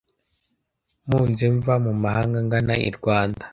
Mpunze mva mu mahanga ngana i Rwanda,